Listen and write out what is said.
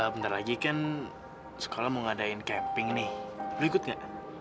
bentar lagi kan sekolah mau ngadain camping nih lu ikut ga